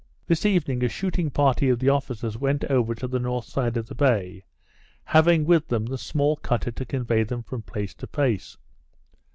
This evening a shooting party of the officers went over to the north side of the bay, having with them the small cutter to convey them from place to place.